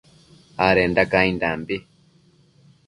adenda caindambi